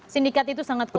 sindikat itu sangat kuat